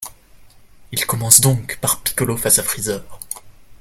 Il commence donc par Piccolo face à Freezer.